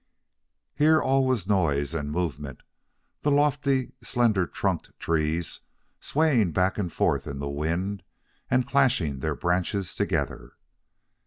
Here all was noise and movement, the lofty, slender trunked trees swaying back and forth in the wind and clashing their branches together.